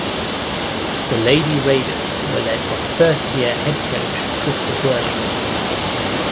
The Lady Raiders were led by first year head coach Krista Gerlich.